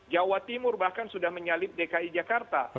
jawa timur bahkan sudah menyalip dki jakarta